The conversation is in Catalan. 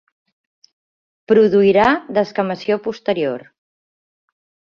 Produiria descamació posterior.